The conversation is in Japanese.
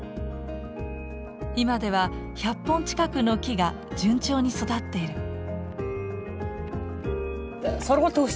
今では１００本近くの木が順調に育っている。